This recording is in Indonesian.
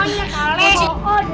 ya ampun ya ampun